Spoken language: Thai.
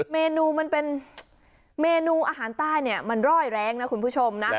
เมนูมันเป็นเมนูอาหารใต้เนี่ยมันร่อยแรงนะคุณผู้ชมนะ